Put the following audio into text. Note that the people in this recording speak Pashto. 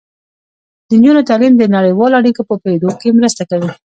د نجونو تعلیم د نړیوالو اړیکو په پوهیدو کې مرسته کوي.